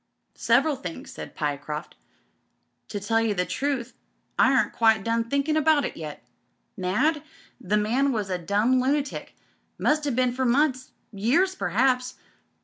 "Several things/' said Pyecroft. "To tell you the truth, I aren't quite done thinkin' about it yet. Mad ? The man was a dumb lunatic — ^must 'ave been for months — ^years p'raps.